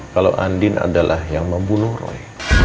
kalau andin adalah yang membunuh roy